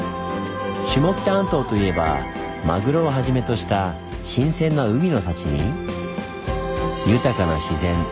下北半島といえばマグロをはじめとした新鮮な海の幸に豊かな自然。